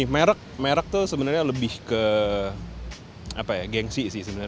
merek itu sebenarnya lebih ke gengsi